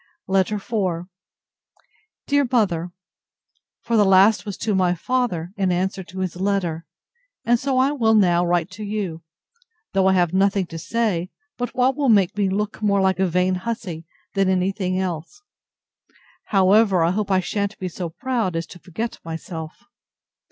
LETTER IV DEAR MOTHER, For the last was to my father, in answer to his letter; and so I will now write to you; though I have nothing to say, but what will make me look more like a vain hussy, than any thing else: However, I hope I shan't be so proud as to forget myself.